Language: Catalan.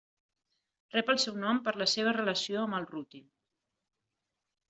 Rep el seu nom per la seva relació amb el rútil.